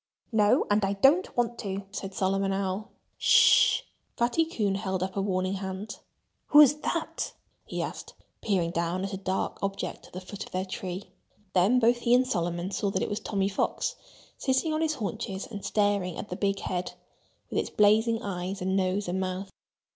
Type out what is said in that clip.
"No! And I don't want to!" said Solomon Owl. "S sh!" Fatty Coon held up a warning hand. "Who's that?" he asked, peering down at a dark object at the foot of their tree. Then both he and Solomon saw that it was Tommy Fox, sitting on his haunches and staring at the big head, with its blazing eyes and nose and mouth.